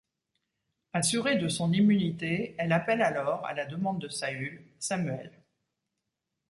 Assurée de son immunité, elle appelle alors, à la demande de Saül, Samuel.